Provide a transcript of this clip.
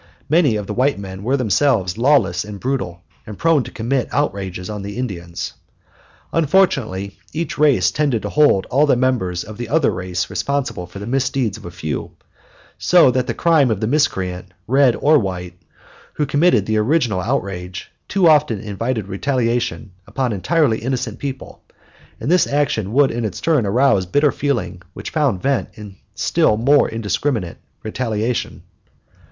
Many of the white men were themselves lawless and brutal, and prone to commit outrages on the Indians. Unfortunately, each race tended to hold all the members of the other race responsible for the misdeeds of a few, so that the crime of the miscreant, red or white, who committed the original outrage too often invited retaliation upon entirely innocent people, and this action would in its turn arouse bitter feeling which found vent in still more indiscriminate retaliation.